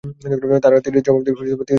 তারা তীরের জবাব তীর দ্বারা প্রদান করে।